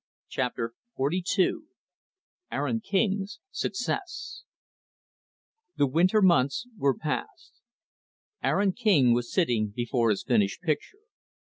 Chapter XLII Aaron King's Success The winter months were past. Aaron King was sitting before his finished picture.